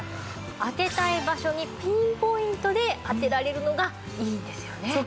当てたい場所にピンポイントで当てられるのがいいんですよね。